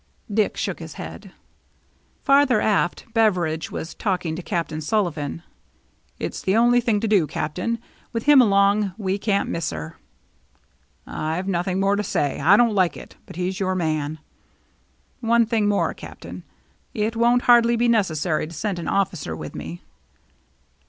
Dick shook his head. Farther aft Beveridge was talking to Cap tain Sullivan. " It's the only thing to do. Captain. With him along, we can't miss her." " I've nothing more to say. I don't like it ; but he's your man." " One thing more. Captain. It won't hardly be necessary to send an officer with me."